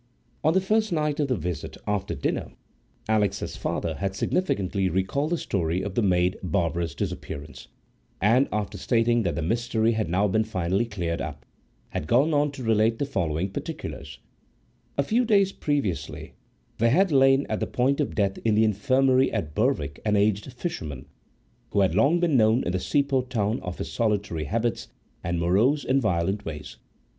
On the first night of the visit, after dinner, Alix's father had significantly recalled the story of the maid Barbara's disappearance, and, after stating that the mystery had now been finally cleared up, had gone on to relate the following particulars:—A few days previously there had lain at the point of death in the infirmary at Berwick an aged fisherman, who had long been known in the seaport town for his solitary habits and morose and violent ways.